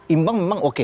imbang memang oke